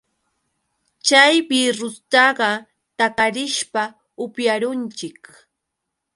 Chay birrustaqa takarishpa upyarunchik.